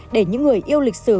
để những người yêu lịch sử